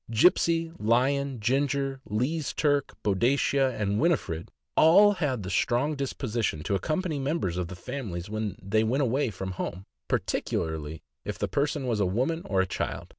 Gipsey, Lion, Ginger, Lee's Turk, Boadicea, and Winifred all had the strong disposition to accompany members of the families when they went away from home, particularly if the person was a woman or a child.